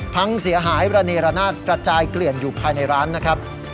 พังเสียหายระเนรนาศกระจายเกลื่อนอยู่ภายในร้านนะครับ